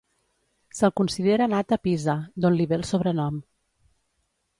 Se'l considera nat a Pisa, d'on li ve el sobrenom.